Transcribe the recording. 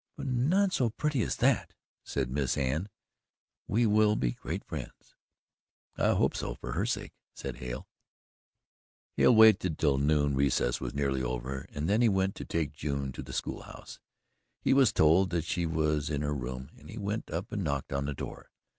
"But not so pretty as THAT," said Miss Anne. "We will be great friends." "I hope so for her sake," said Hale. Hale waited till noon recess was nearly over, and then he went to take June to the school house. He was told that she was in her room and he went up and knocked at the door.